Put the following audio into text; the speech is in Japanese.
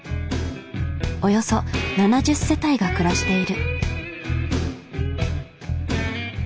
およそ７０世帯が暮らしている。